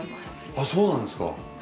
あっそうなんですか。